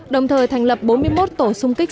đồng thời thành lập bốn mươi một tổ sung kích